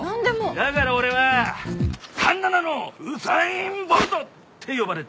だから俺は環七のウサイン・ボルトって呼ばれてる。